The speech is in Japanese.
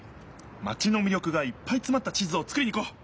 マチのみりょくがいっぱいつまった地図をつくりに行こう！